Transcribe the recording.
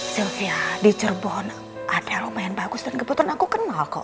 sylvia di cirebon ada lumayan bagus dan kebetulan aku kenal kok